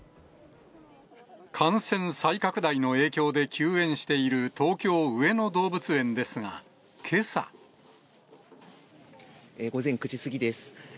感染再拡大の影響で休園している東京・上野動物園ですが、午前９時過ぎです。